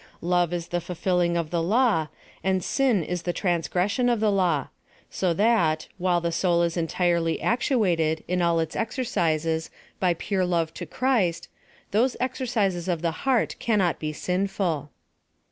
Love is the fulfilling of the law, and sin is the transgression of the law ; so that, while the soul is entirely actuated, in all its exercises, by Dure love to Christ, those exercises of the heart cannot be sinful.